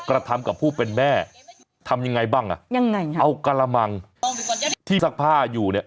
กระทำกับผู้เป็นแม่ทำยังไงบ้างอ่ะยังไงเอากระมังที่ซักผ้าอยู่เนี่ย